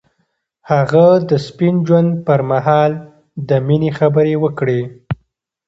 هغه د سپین ژوند پر مهال د مینې خبرې وکړې.